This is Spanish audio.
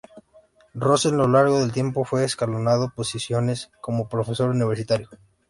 Rosen lo largo del tiempo fue escalando posiciones como profesor universitario.